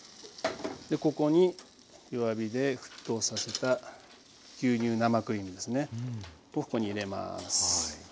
ここに弱火で沸騰させた牛乳生クリームですね。をここに入れます。